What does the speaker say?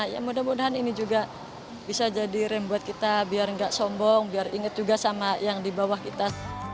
ya mudah mudahan ini juga bisa jadi rem buat kita biar nggak sombong biar inget juga sama yang di bawah kita